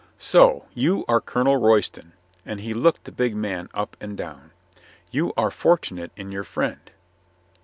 "So you are Colonel Royston," and he looked the big man up and down. "You are for tunate in your friend."